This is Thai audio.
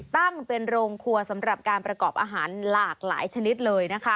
ตั้งเป็นโรงครัวสำหรับการประกอบอาหารหลากหลายชนิดเลยนะคะ